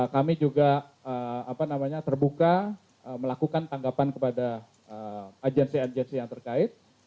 kami juga terbuka melakukan tanggapan kepada agensi agensi yang terkait